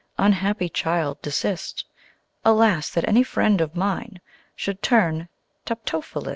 Unhappy child desist! Alas! that any friend of mine Should turn Tupto philist.